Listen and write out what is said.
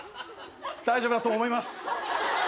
大丈夫だと思います。